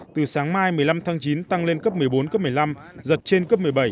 từ sáng mai một mươi năm tháng chín tăng lên cấp một mươi bốn cấp một mươi năm giật trên cấp một mươi bảy